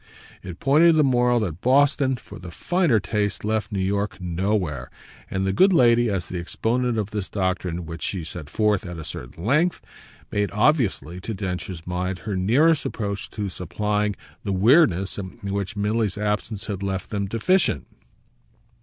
It pointed the moral that Boston, for the finer taste, left New York nowhere; and the good lady, as the exponent of this doctrine which she set forth at a certain length made, obviously, to Densher's mind, her nearest approach to supplying the weirdness in which Milly's absence had left them deficient.